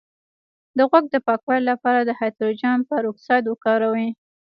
د غوږ د پاکوالي لپاره د هایدروجن پر اکسایډ وکاروئ